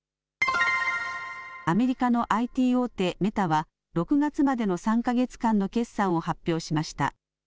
アメリカのＩＴ大手、メタは６月までの３か月間の決算を発表しました。